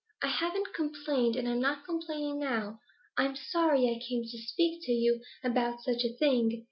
I haven't complained, and I'm not complaining now. I'm sorry I came to speak to you about such a thing.